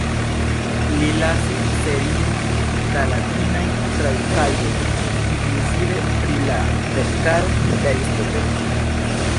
Li lasis serion da latinaj tradukaĵoj, inkluzive pri la verkaro de Aristotelo.